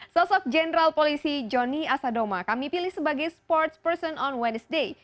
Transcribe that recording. sosok general polisi johnny asadoma kami pilih sebagai sportsperson on wednesday